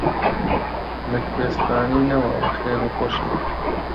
لە کوێستانی نەماوە خێر و خۆشی